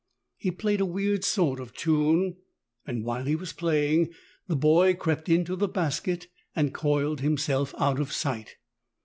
He played a weird sort of tune, and while he was playing the boy crept into the basket and coiled himself out of sight.